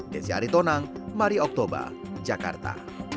desy ari tonang mari oktober jakarta